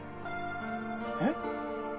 えっ？